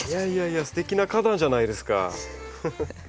ステキな花壇じゃないですか。